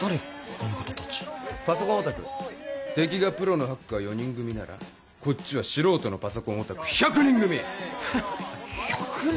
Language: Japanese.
この方達パソコンオタク敵がプロのハッカー４人組ならこっちは素人のパソコンオタク１００人組１００人？